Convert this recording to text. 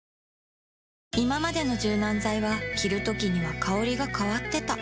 いままでの柔軟剤は着るときには香りが変わってた